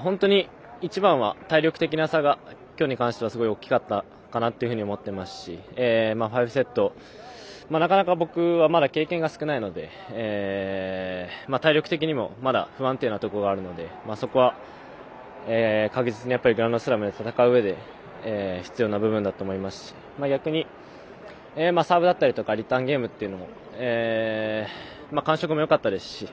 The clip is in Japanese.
本当に一番は体力的な差が今日に関してはすごい大きかったかなというふうに思ってますし５セット、なかなか僕は経験が少ないので体力的にもまだ不安定なところがあるのでそこは確実に、グランドスラムで戦ううえで必要な部分だと思いますし逆に、サーブだったりリターンゲームっていうのも感触もよかったですし。